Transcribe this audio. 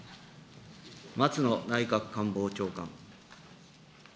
松野内閣官房長官。